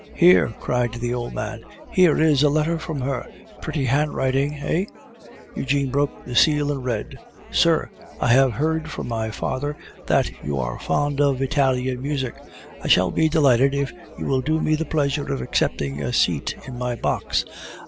"Here," cried the old man, "here is a letter from her. Pretty handwriting, eh?" Eugene broke the seal and read: "Sir, I have heard from my father that you are fond of Italian music. I shall be delighted if you will do me the pleasure of accepting a seat in my box.